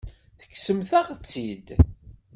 Tekksemt-aɣ-tt-id.